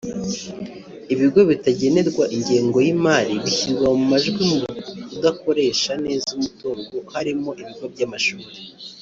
Ibigo bitagenerwa ingengo y’imari bishyirwa mu majwi mu kudakoresha neza umutungo harimo ibigo by’amashuri